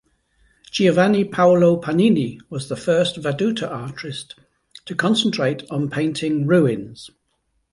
Giovanni Paolo Pannini was the first veduta artist to concentrate on painting ruins.